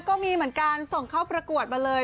ก็มีเหมือนกันส่งเข้าประกวดมาเลย